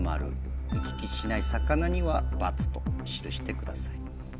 行き来しない魚には「×」と記してください。